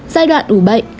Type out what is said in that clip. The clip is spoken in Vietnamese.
giai đoạn ủ bệnh